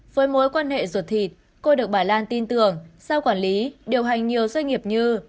với mối quan hệ ruột thịt cô được bà lan tin tưởng sao quản lý điều hành nhiều doanh nghiệp như